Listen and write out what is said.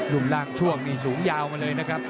ดุมร่างช่วงสูงยาวมาเลยนะครับ